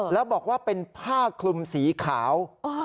แล้วบอกว่าเป็นผ้าคลุมสีขาว